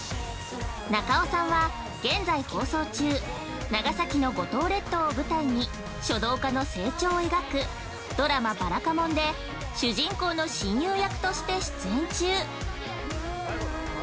◆中尾さんは、現在放送中長崎の五島列島を舞台に書道家の成長を描くドラマ「ばらかもん」で、主人公の親友役として出演中。